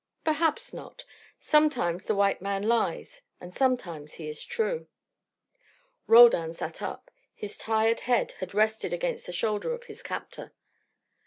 "Perhaps not. Sometimes the white man lies and sometimes he is true." Roldan sat up; his tired head had rested against the shoulder of his captor.